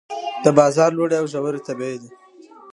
د بازار لوړې او ژورې طبیعي دي.